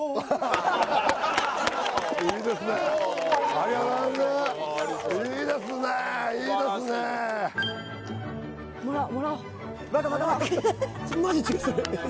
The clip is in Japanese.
ありがとうございますいいですねいいですね素晴らしいですね